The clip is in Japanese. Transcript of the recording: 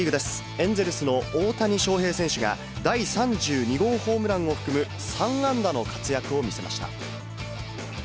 エンゼルスの大谷翔平選手が、第３２号ホームランを含む３安打の活躍を見せました。